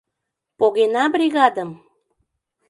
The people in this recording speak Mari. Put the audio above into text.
Погена бригадым?